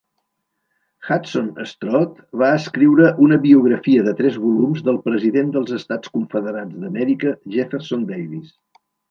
Hudson Strode va escriure una biografia de tres volums del president dels Estats Confederats d'Amèrica, Jefferson Davis.